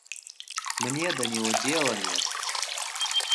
Мне до него дела нет.